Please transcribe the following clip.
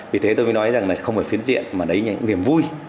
vì thế tôi mới nói rằng là không phải phiến diện mà đấy là những niềm vui